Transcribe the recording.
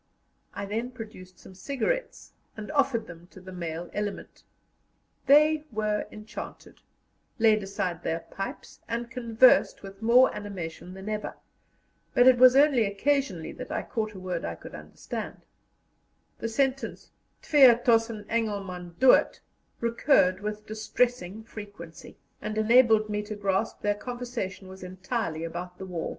I then produced some cigarettes, and offered them to the male element. They were enchanted, laid aside their pipes, and conversed with more animation than ever; but it was only occasionally that I caught a word I could understand; the sentence "twee tozen Engelman dood" recurred with distressing frequency, and enabled me to grasp their conversation was entirely about the war.